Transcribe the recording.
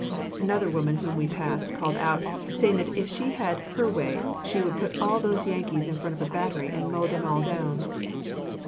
Another woman whom we passed, called out, saying that if she had her way she would put all those Yanks in front of a battery and mow them all down.